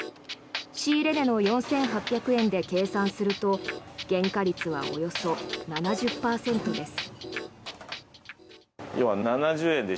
仕入れ値の４８００円で計算すると原価率はおよそ７０％です。